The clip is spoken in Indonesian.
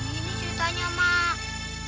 begini ceritanya mak